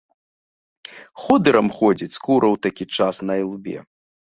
Ходырам ходзіць скура ў такі час на ілбе.